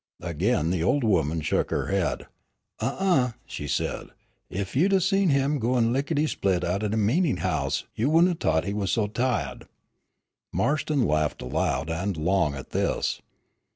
Again the old woman shook her head, "Huh uh," she said, "ef you'd' a' seen him gwine lickety split outen de meetin' house you wouldn' a thought he was so tiahed." Marston laughed loud and long at this.